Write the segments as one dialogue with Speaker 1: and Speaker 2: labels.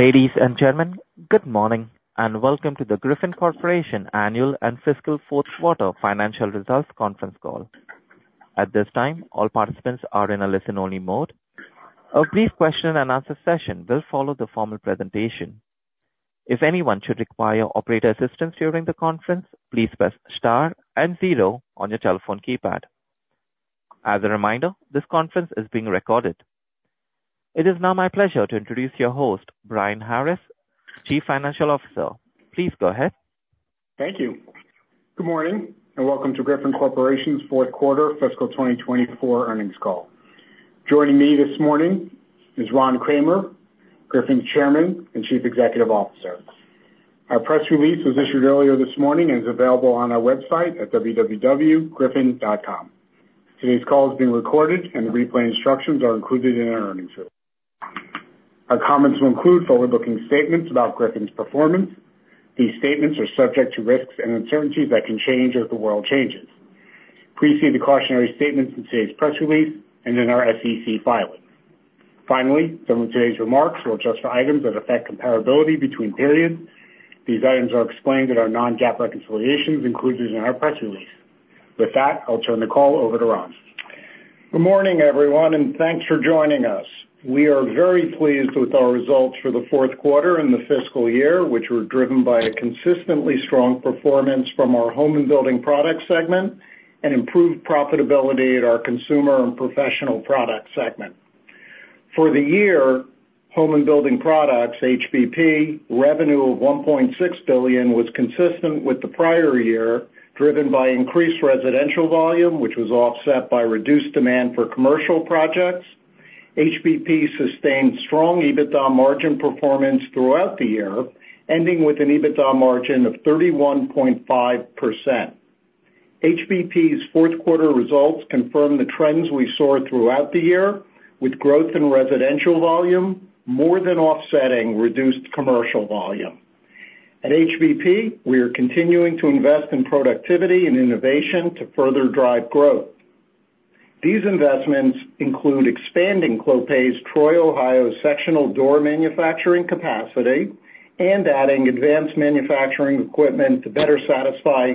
Speaker 1: Ladies and gentlemen, good morning and welcome to the Griffon Corporation Annual and Fiscal Fourth Quarter Financial Results Conference Call. At this time, all participants are in a listen-only mode. A brief question-and-answer session will follow the formal presentation. If anyone should require operator assistance during the conference, please press star and zero on your telephone keypad. As a reminder, this conference is being recorded. It is now my pleasure to introduce your host, Brian Harris, Chief Financial Officer. Please go ahead.
Speaker 2: Thank you. Good morning and welcome to Griffon Corporation's Fourth Quarter Fiscal 2024 Earnings Call. Joining me this morning is Ron Kramer, Griffon's Chairman and Chief Executive Officer. Our press release was issued earlier this morning and is available on our website at www.griffon.com. Today's call is being recorded, and the replay instructions are included in our earnings report. Our comments will include forward-looking statements about Griffon's performance. These statements are subject to risks and uncertainties that can change as the world changes. Please see the cautionary statements in today's press release and in our SEC filing. Finally, some of today's remarks will address items that affect comparability between periods. These items are explained in our non-GAAP reconciliations included in our press release. With that, I'll turn the call over to Ron.
Speaker 3: Good morning, everyone, and thanks for joining us. We are very pleased with our results for the fourth quarter in the fiscal year, which were driven by a consistently strong performance from our Home and Building Products segment and improved profitability at our Consumer and Professional Products segment. For the year, Home and Building Products, HBP, revenue of $1.6 billion was consistent with the prior year, driven by increased residential volume, which was offset by reduced demand for commercial projects. HBP sustained strong EBITDA margin performance throughout the year, ending with an EBITDA margin of 31.5%. HBP's fourth quarter results confirm the trends we saw throughout the year, with growth in residential volume more than offsetting reduced commercial volume. At HBP, we are continuing to invest in productivity and innovation to further drive growth. These investments include expanding Clopay's Troy, Ohio, sectional door manufacturing capacity and adding advanced manufacturing equipment to better satisfy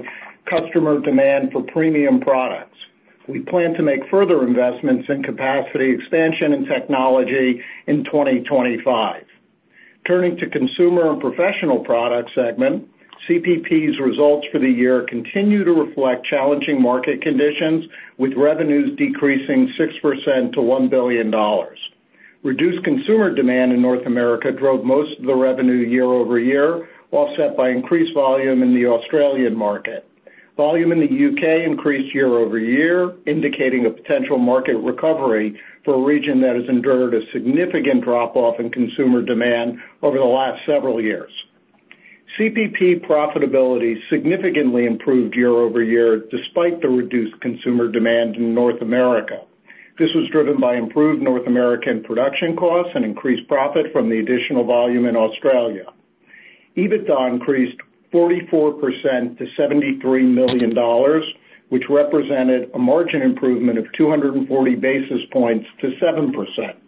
Speaker 3: customer demand for premium products. We plan to make further investments in capacity expansion and technology in 2025. Turning to Consumer and Professional Products segment, CPP's results for the year continue to reflect challenging market conditions, with revenues decreasing 6% to $1 billion. Reduced consumer demand in North America drove most of the revenue year-over-year, offset by increased volume in the Australian market. Volume in the U.K. increased year-over-year, indicating a potential market recovery for a region that has endured a significant drop-off in consumer demand over the last several years. CPP profitability significantly improved year-over-year despite the reduced consumer demand in North America. This was driven by improved North American production costs and increased profit from the additional volume in Australia. EBITDA increased 44% to $73 million, which represented a margin improvement of 240 basis points to 7%.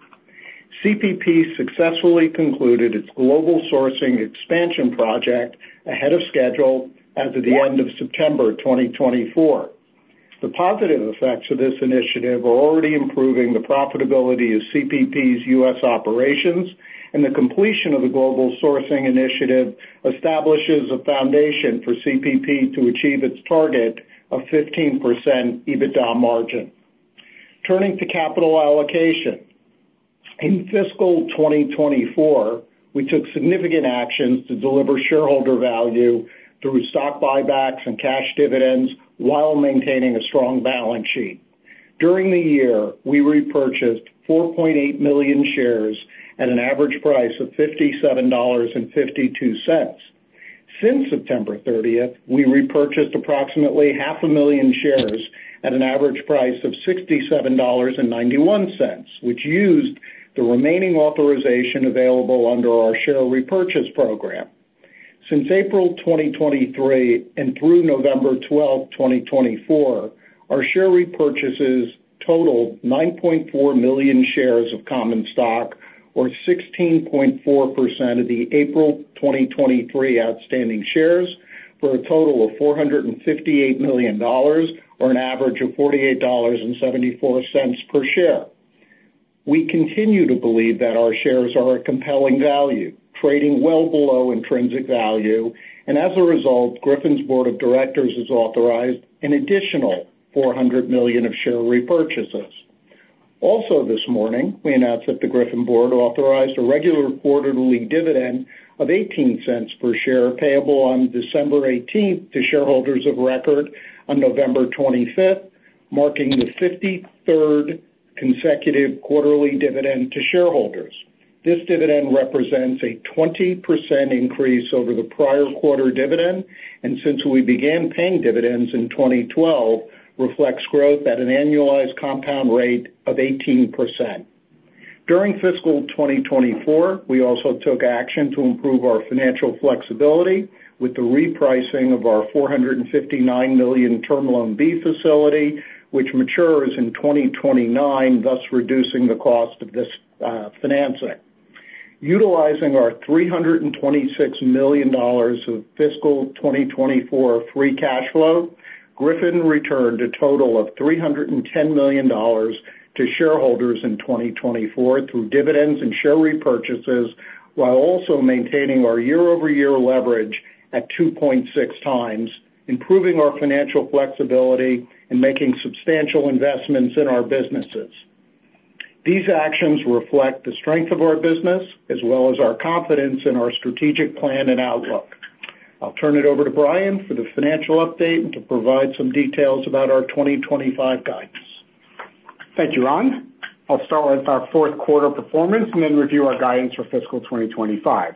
Speaker 3: CPP successfully concluded its global sourcing expansion project ahead of schedule at the end of September 2024. The positive effects of this initiative are already improving the profitability of CPP's U.S. operations, and the completion of the global sourcing initiative establishes a foundation for CPP to achieve its target of 15% EBITDA margin. Turning to capital allocation, in fiscal 2024, we took significant actions to deliver shareholder value through stock buybacks and cash dividends while maintaining a strong balance sheet. During the year, we repurchased 4.8 million shares at an average price of $57.52. Since September 30th, we repurchased approximately 500,000 shares at an average price of $67.91, which used the remaining authorization available under our share repurchase program. Since April 2023 and through November 12th, 2024, our share repurchases totaled 9.4 million shares of common stock, or 16.4% of the April 2023 outstanding shares, for a total of $458 million, or an average of $48.74 per share. We continue to believe that our shares are a compelling value, trading well below intrinsic value, and as a result, Griffon's Board of Directors has authorized an additional $400 million of share repurchases. Also this morning, we announced that the Griffon Board authorized a regular quarterly dividend of $0.18 per share payable on December 18th to shareholders of record on November 25th, marking the 53rd consecutive quarterly dividend to shareholders. This dividend represents a 20% increase over the prior quarter dividend, and since we began paying dividends in 2012, reflects growth at an annualized compound rate of 18%. During fiscal 2024, we also took action to improve our financial flexibility with the repricing of our $459 million Term Loan B facility, which matures in 2029, thus reducing the cost of this financing. Utilizing our $326 million of fiscal 2024 free cash flow, Griffon returned a total of $310 million to shareholders in 2024 through dividends and share repurchases, while also maintaining our year-over-year leverage at 2.6x, improving our financial flexibility and making substantial investments in our businesses. These actions reflect the strength of our business as well as our confidence in our strategic plan and outlook. I'll turn it over to Brian for the financial update and to provide some details about our 2025 guidance.
Speaker 2: Thank you, Ron. I'll start with our fourth quarter performance and then review our guidance for fiscal 2025.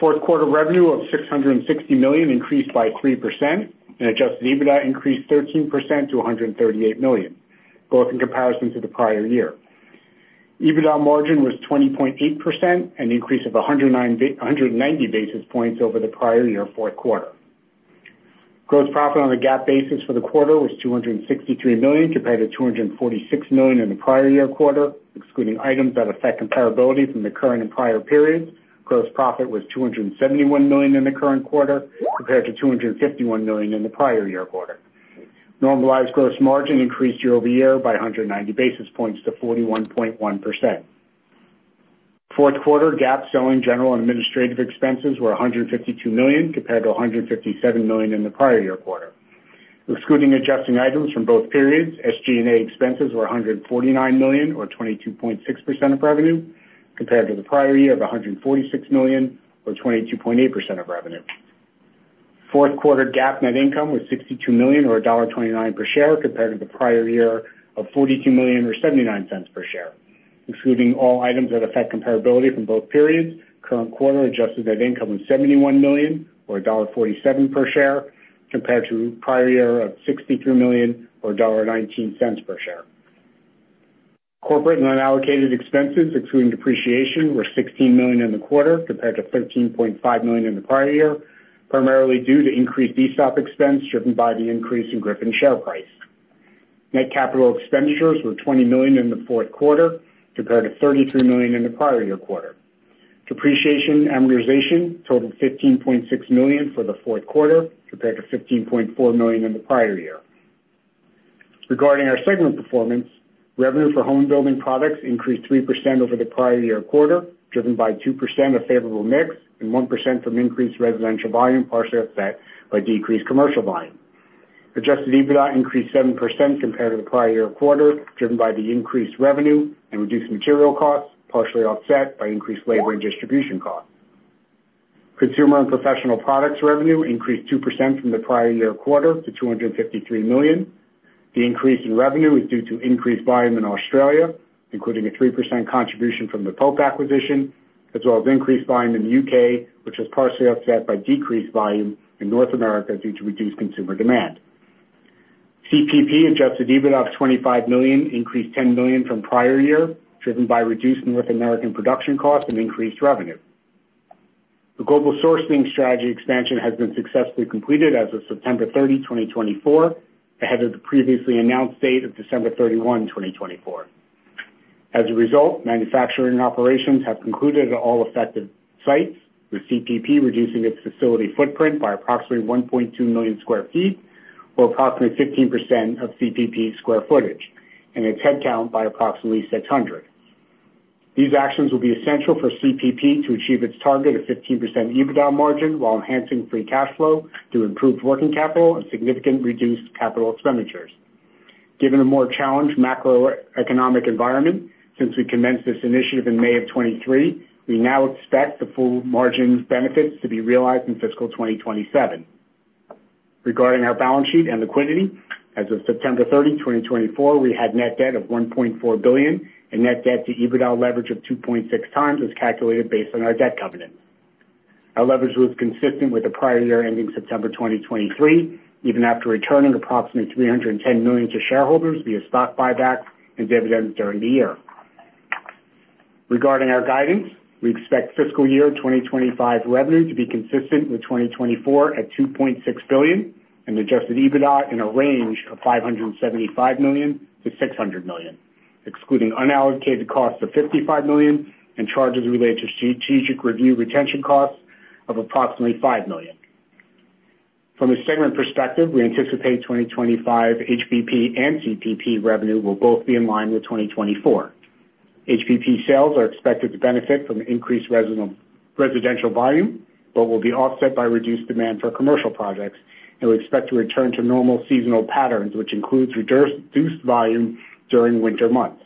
Speaker 2: Fourth quarter revenue of $660 million increased by 3%, and adjusted EBITDA increased 13% to $138 million, both in comparison to the prior year. EBITDA margin was 20.8%, an increase of 190 basis points over the prior year fourth quarter. Gross profit on a GAAP basis for the quarter was $263 million compared to $246 million in the prior year quarter, excluding items that affect comparability from the current and prior periods. Gross profit was $271 million in the current quarter compared to $251 million in the prior year quarter. Normalized gross margin increased year-over-year by 190 basis points to 41.1%. Fourth quarter GAAP selling general and administrative expenses were $152 million compared to $157 million in the prior year quarter. Excluding adjusting items from both periods, SG&A expenses were $149 million, or 22.6% of revenue, compared to the prior year of $146 million, or 22.8% of revenue. Fourth quarter GAAP net income was $62 million, or $1.29 per share, compared to the prior year of $42.79 per share. Excluding all items that affect comparability from both periods, current quarter adjusted net income was $71 million, or $1.47 per share, compared to prior year of $63 million, or $1.19 per share. Corporate and unallocated expenses, excluding depreciation, were $16 million in the quarter, compared to $13.5 million in the prior year, primarily due to increased ESOP expense driven by the increase in Griffon share price. Net capital expenditures were $20 million in the fourth quarter, compared to $33 million in the prior year quarter. Depreciation and amortization totaled $15.6 million for the fourth quarter, compared to $15.4 million in the prior year. Regarding our segment performance, revenue for Home and Building Products increased 3% over the prior year quarter, driven by 2% of favorable mix and 1% from increased residential volume partially offset by decreased commercial volume. Adjusted EBITDA increased 7% compared to the prior year quarter, driven by the increased revenue and reduced material costs partially offset by increased labor and distribution costs. Consumer and Professional Products revenue increased 2% from the prior year quarter to $253 million. The increase in revenue is due to increased volume in Australia, including a 3% contribution from the Pope acquisition, as well as increased volume in the U.K., which was partially offset by decreased volume in North America due to reduced consumer demand. CPP Adjusted EBITDA of $25 million increased $10 million from prior year, driven by reduced North American production costs and increased revenue. The global sourcing strategy expansion has been successfully completed as of September 30, 2024, ahead of the previously announced date of December 31, 2024. As a result, manufacturing operations have concluded at all affected sites, with CPP reducing its facility footprint by approximately 1.2 million sq ft, or approximately 15% of CPP's square footage, and its headcount by approximately 600. These actions will be essential for CPP to achieve its target of 15% EBITDA margin while enhancing free cash flow through improved working capital and significant reduced capital expenditures. Given a more challenged macroeconomic environment, since we commenced this initiative in May of 2023, we now expect the full margin benefits to be realized in fiscal 2027. Regarding our balance sheet and liquidity, as of September 30, 2024, we had net debt of $1.4 billion, and net debt to EBITDA leverage of 2.6x as calculated based on our debt covenant. Our leverage was consistent with the prior year ending September 2023, even after returning approximately $310 million to shareholders via stock buybacks and dividends during the year. Regarding our guidance, we expect fiscal year 2025 revenue to be consistent with 2024 at $2.6 billion, and adjusted EBITDA in a range of $575 million-$600 million, excluding unallocated costs of $55 million and charges related to strategic review retention costs of approximately $5 million. From a segment perspective, we anticipate 2025 HBP and CPP revenue will both be in line with 2024. HBP sales are expected to benefit from increased residential volume, but will be offset by reduced demand for commercial projects, and we expect to return to normal seasonal patterns, which includes reduced volume during winter months.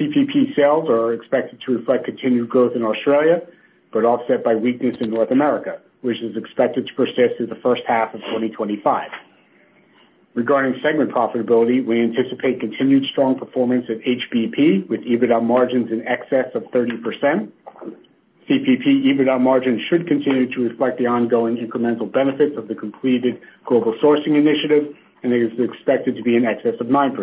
Speaker 2: CPP sales are expected to reflect continued growth in Australia, but offset by weakness in North America, which is expected to persist through the first half of 2025. Regarding segment profitability, we anticipate continued strong performance at HBP with EBITDA margins in excess of 30%. CPP EBITDA margin should continue to reflect the ongoing incremental benefits of the completed global sourcing initiative, and it is expected to be in excess of 9%.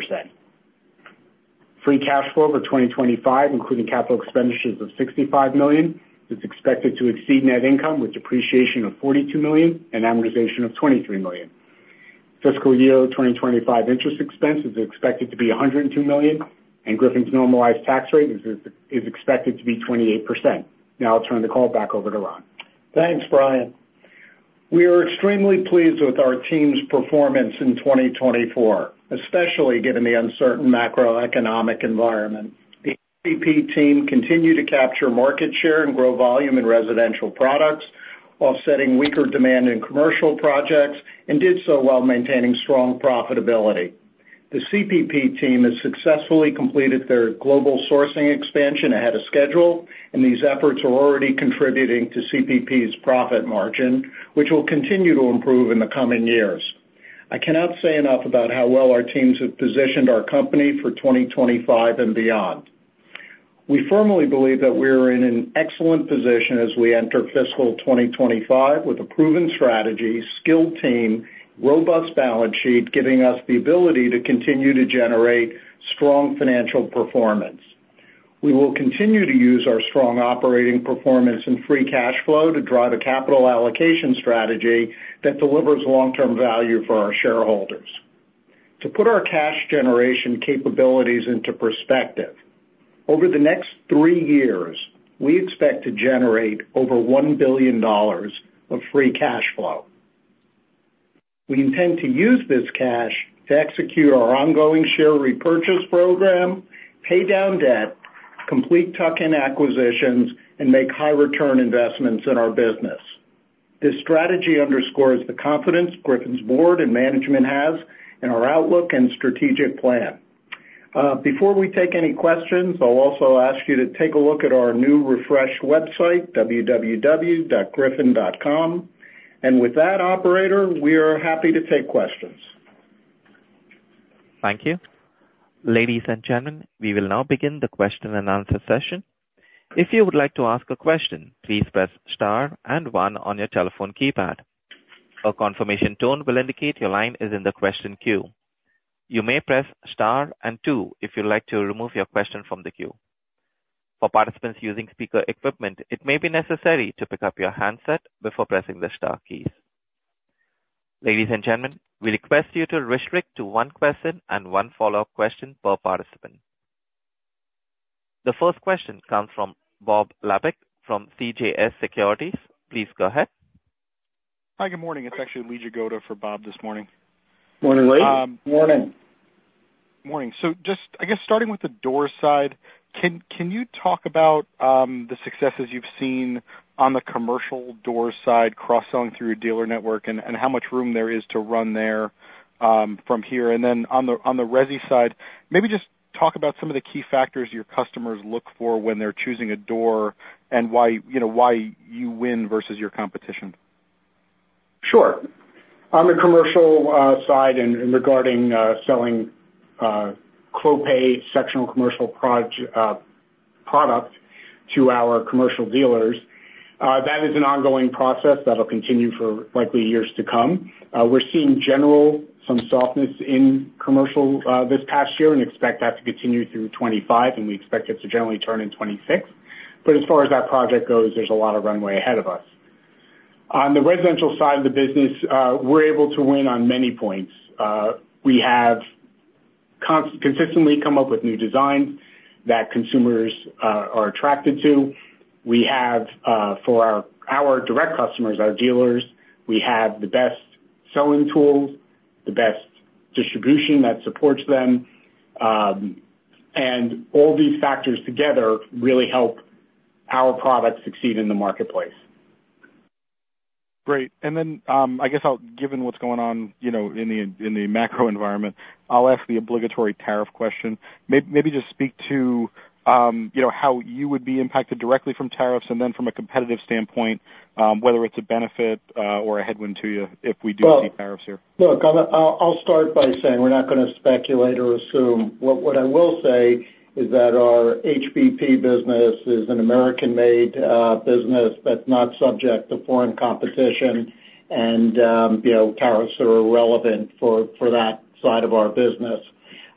Speaker 2: Free cash flow for 2025, including capital expenditures of $65 million, is expected to exceed net income with depreciation of $42 million and amortization of $23 million. Fiscal year 2025 interest expense is expected to be $102 million, and Griffon's normalized tax rate is expected to be 28%. Now I'll turn the call back over to Ron. Thanks, Brian. We are extremely pleased with our team's performance in 2024, especially given the uncertain macroeconomic environment. The CPP team continued to capture market share and grow volume in residential products despite weaker demand in commercial projects and did so while maintaining strong profitability. The CPP team has successfully completed their global sourcing expansion ahead of schedule, and these efforts are already contributing to CPP's profit margin, which will continue to improve in the coming years. I cannot say enough about how well our teams have positioned our company for 2025 and beyond. We firmly believe that we are in an excellent position as we enter fiscal 2025 with a proven strategy, skilled team, robust balance sheet giving us the ability to continue to generate strong financial performance. We will continue to use our strong operating performance and free cash flow to drive a capital allocation strategy that delivers long-term value for our shareholders. To put our cash generation capabilities into perspective, over the next three years, we expect to generate over $1 billion of free cash flow. We intend to use this cash to execute our ongoing share repurchase program, pay down debt, complete tuck-in acquisitions, and make high-return investments in our business. This strategy underscores the confidence Griffon's Board and management has in our outlook and strategic plan. Before we take any questions, I'll also ask you to take a look at our new refreshed website, www.griffon.com, and with that, operator, we are happy to take questions.
Speaker 1: Thank you. Ladies and gentlemen, we will now begin the question and answer session. If you would like to ask a question, please press star and one on your telephone keypad. A confirmation tone will indicate your line is in the question queue. You may press star and two if you'd like to remove your question from the queue. For participants using speaker equipment, it may be necessary to pick up your handset before pressing the star keys. Ladies and gentlemen, we request you to restrict to one question and one follow-up question per participant. The first question comes from Bob Labick from CJS Securities. Please go ahead.
Speaker 4: Hi, good morning. It's actually Lee Jagoda for Bob this morning.
Speaker 3: Morning, Lee.
Speaker 2: Morning.
Speaker 4: Morning. So just, I guess, starting with the door side, can you talk about the successes you've seen on the commercial door side, cross-selling through your dealer network, and how much room there is to run there from here? And then on the resi side, maybe just talk about some of the key factors your customers look for when they're choosing a door and why you win versus your competition.
Speaker 3: Sure. On the commercial side and regarding selling Clopay sectional commercial product to our commercial dealers, that is an ongoing process that'll continue for likely years to come. We're seeing general some softness in commercial this past year and expect that to continue through 2025, and we expect it to generally turn in 2026. But as far as that project goes, there's a lot of runway ahead of us. On the residential side of the business, we're able to win on many points. We have consistently come up with new designs that consumers are attracted to. We have, for our direct customers, our dealers, we have the best selling tools, the best distribution that supports them, and all these factors together really help our product succeed in the marketplace.
Speaker 4: Great. And then, I guess, given what's going on in the macro environment, I'll ask the obligatory tariff question. Maybe just speak to how you would be impacted directly from tariffs and then from a competitive standpoint, whether it's a benefit or a headwind to you if we do see tariffs here?
Speaker 3: No, I'll start by saying we're not going to speculate or assume. What I will say is that our HBP business is an American-made business that's not subject to foreign competition, and tariffs are irrelevant for that side of our business.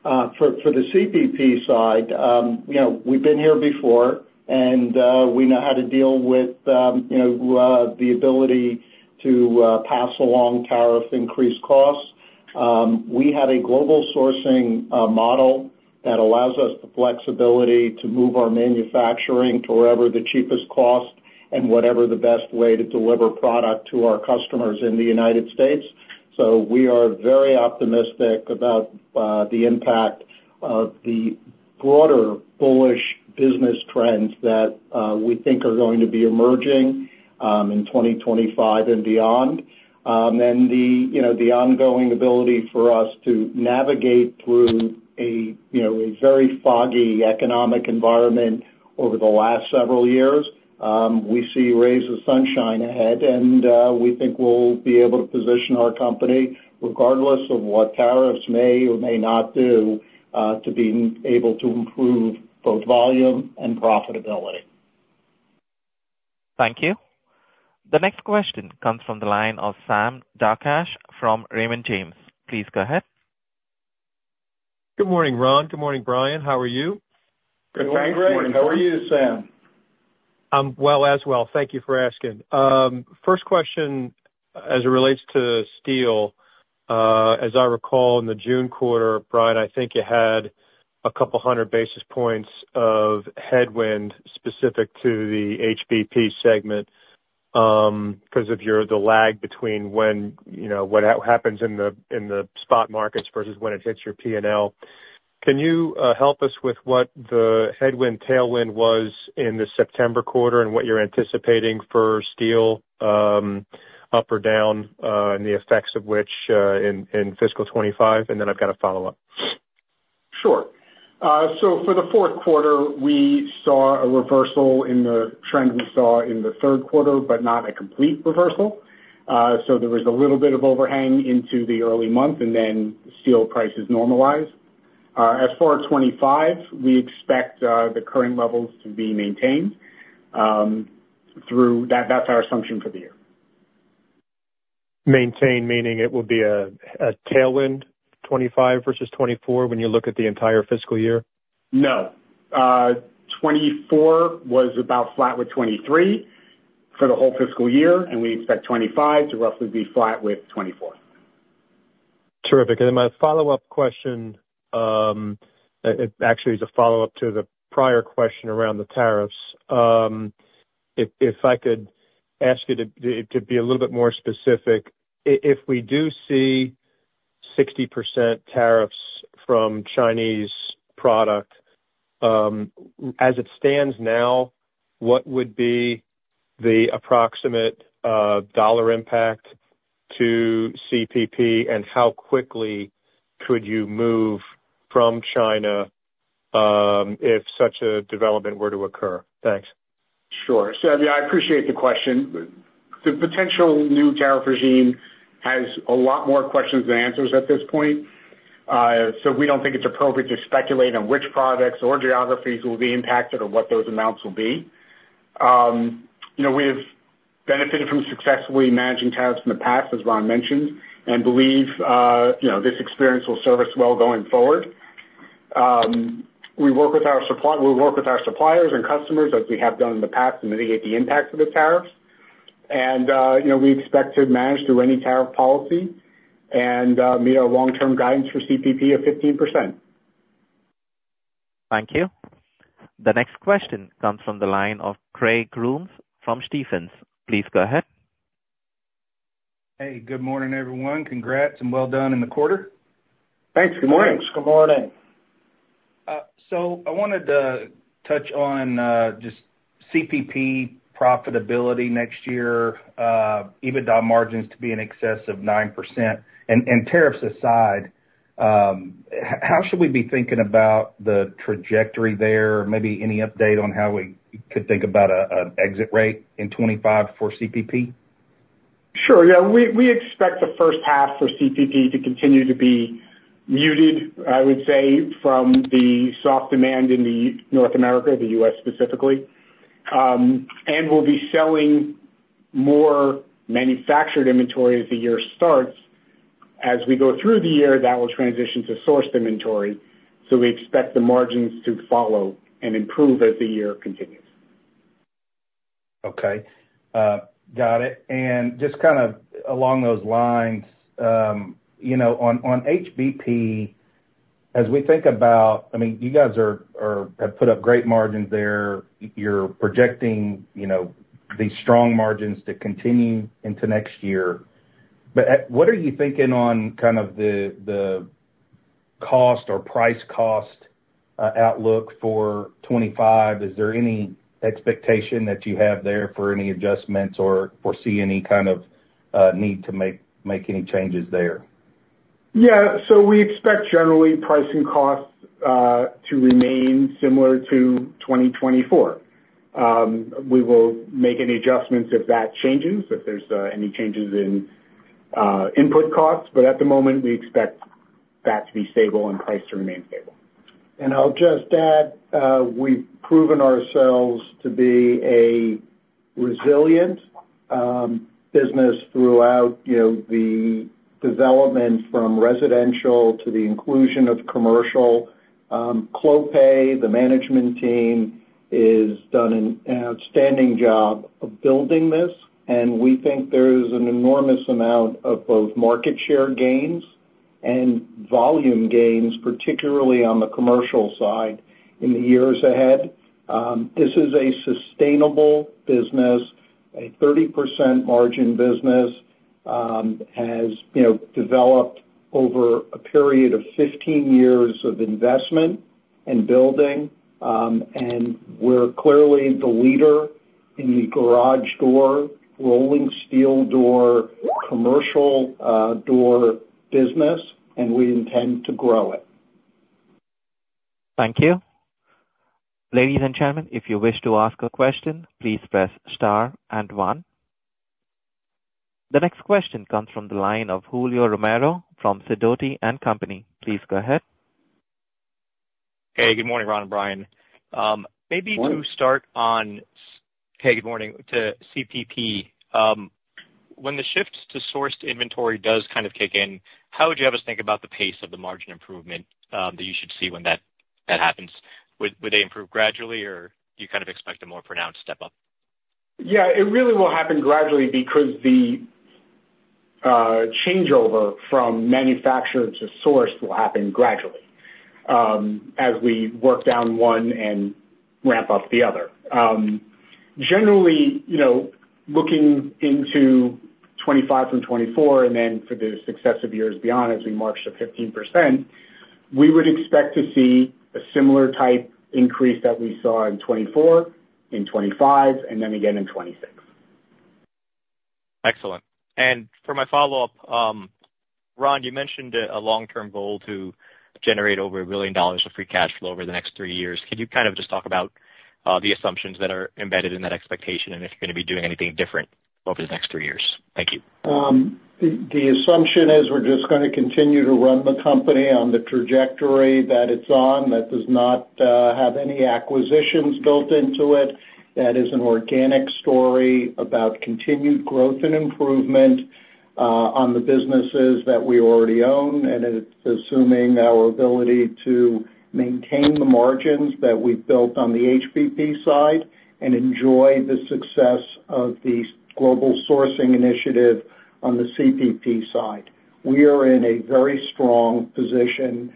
Speaker 3: For the CPP side, we've been here before, and we know how to deal with the ability to pass along tariff-increased costs. We have a global sourcing model that allows us the flexibility to move our manufacturing to wherever the cheapest cost and whatever the best way to deliver product to our customers in the United States. So we are very optimistic about the impact of the broader bullish business trends that we think are going to be emerging in 2025 and beyond. The ongoing ability for us to navigate through a very foggy economic environment over the last several years, we see rays of sunshine ahead, and we think we'll be able to position our company regardless of what tariffs may or may not do to be able to improve both volume and profitability.
Speaker 1: Thank you. The next question comes from the line of Sam Darkatsh from Raymond James. Please go ahead.
Speaker 5: Good morning, Ron. Good morning, Brian. How are you?
Speaker 3: Good morning, Greg.
Speaker 2: Good morning. How are you, Sam?
Speaker 5: I'm well, as well. Thank you for asking. First question, as it relates to steel. As I recall, in the June quarter, Brian, I think you had a couple hundred basis points of headwind specific to the HBP segment because of the lag between what happens in the spot markets versus when it hits your P&L. Can you help us with what the headwind, tailwind was in the September quarter and what you're anticipating for steel up or down and the effects of which in fiscal 2025? And then I've got a follow-up.
Speaker 2: Sure. So for the fourth quarter, we saw a reversal in the trend we saw in the third quarter, but not a complete reversal. So there was a little bit of overhang into the early month, and then steel prices normalized. As far as 2025, we expect the current levels to be maintained. That's our assumption for the year.
Speaker 5: Maintain meaning it will be a tailwind 2025 versus 2024 when you look at the entire fiscal year?
Speaker 2: FY 2024 was about flat with FY 2023 for the whole fiscal year, and we expect FY 2025 to roughly be flat with FY 2024.
Speaker 5: Terrific. And then my follow-up question, actually, is a follow-up to the prior question around the tariffs. If I could ask you to be a little bit more specific, if we do see 60% tariffs from Chinese product, as it stands now, what would be the approximate dollar impact to CPP, and how quickly could you move from China if such a development were to occur? Thanks.
Speaker 2: Sure, so I appreciate the question. The potential new tariff regime has a lot more questions than answers at this point. So we don't think it's appropriate to speculate on which products or geographies will be impacted or what those amounts will be. We have benefited from successfully managing tariffs in the past, as Ron mentioned, and believe this experience will serve us well going forward. We work with our suppliers and customers, as we have done in the past, to mitigate the impact of the tariffs, and we expect to manage through any tariff policy and meet our long-term guidance for CPP of 15%.
Speaker 1: Thank you. The next question comes from the line of Trey Grooms from Stephens. Please go ahead.
Speaker 6: Hey, good morning, everyone. Congrats and well done in the quarter.
Speaker 2: Thanks. Good morning.
Speaker 6: Thanks.
Speaker 2: Good morning.
Speaker 6: I wanted to touch on just CPP profitability next year, EBITDA margins to be in excess of 9%. Tariffs aside, how should we be thinking about the trajectory there? Maybe any update on how we could think about an exit rate in 2025 for CPP?
Speaker 2: Sure. Yeah. We expect the first half for CPP to continue to be muted, I would say, from the soft demand in North America, the U.S. specifically. And we'll be selling more manufactured inventory as the year starts. As we go through the year, that will transition to sourced inventory. So we expect the margins to follow and improve as the year continues.
Speaker 6: Okay. Got it. And just kind of along those lines, on HBP, as we think about, I mean, you guys have put up great margins there. You're projecting these strong margins to continue into next year. But what are you thinking on kind of the cost or price cost outlook for 2025? Is there any expectation that you have there for any adjustments or foresee any kind of need to make any changes there?
Speaker 2: Yeah. So we expect generally pricing costs to remain similar to 2024. We will make any adjustments if that changes, if there's any changes in input costs. But at the moment, we expect that to be stable and price to remain stable.
Speaker 3: And I'll just add we've proven ourselves to be a resilient business throughout the development from residential to the inclusion of commercial. Clopay, the management team, has done an outstanding job of building this. And we think there is an enormous amount of both market share gains and volume gains, particularly on the commercial side, in the years ahead. This is a sustainable business, a 30% margin business, has developed over a period of 15 years of investment and building. And we're clearly the leader in the garage door, rolling steel door, commercial door business, and we intend to grow it.
Speaker 1: Thank you. Ladies and gentlemen, if you wish to ask a question, please press star and one. The next question comes from the line of Julio Romero from Sidoti & Company. Please go ahead.
Speaker 7: Hey, good morning, Ron and Brian. Maybe to start on CPP, when the shift to sourced inventory does kind of kick in, how would you have us think about the pace of the margin improvement that you should see when that happens? Would they improve gradually, or do you kind of expect a more pronounced step up?
Speaker 2: Yeah. It really will happen gradually because the changeover from manufactured to sourced will happen gradually as we work down one and ramp up the other. Generally, looking into 2025 from 2024 and then for the successive years beyond as we march to 15%, we would expect to see a similar type increase that we saw in 2024, in 2025, and then again in 2026.
Speaker 7: Excellent. And for my follow-up, Ron, you mentioned a long-term goal to generate over $1 billion of free cash flow over the next three years. Can you kind of just talk about the assumptions that are embedded in that expectation and if you're going to be doing anything different over the next three years? Thank you.
Speaker 3: The assumption is we're just going to continue to run the company on the trajectory that it's on. That does not have any acquisitions built into it. That is an organic story about continued growth and improvement on the businesses that we already own, and it's assuming our ability to maintain the margins that we've built on the HBP side and enjoy the success of the global sourcing initiative on the CPP side. We are in a very strong position.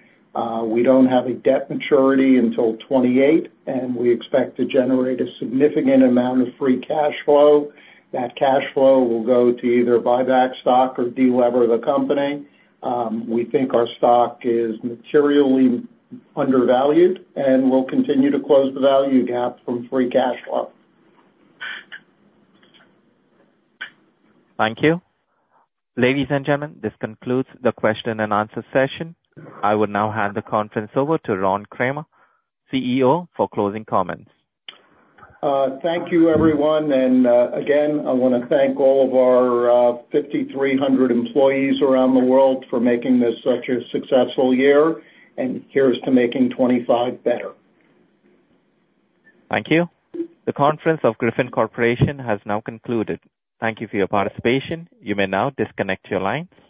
Speaker 3: We don't have a debt maturity until 2028, and we expect to generate a significant amount of free cash flow. That cash flow will go to either buyback stock or delever the company. We think our stock is materially undervalued, and we'll continue to close the value gap from free cash flow.
Speaker 1: Thank you. Ladies and gentlemen, this concludes the question and answer session. I will now hand the conference over to Ron Kramer, CEO, for closing comments.
Speaker 3: Thank you, everyone. And again, I want to thank all of our 5,300 employees around the world for making this such a successful year and here's to making 2025 better.
Speaker 1: Thank you. The conference call of Griffon Corporation has now concluded. Thank you for your participation. You may now disconnect your lines.